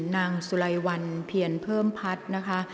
นางสุไลวันเพียรเพิ่มพัฒน์นะคะ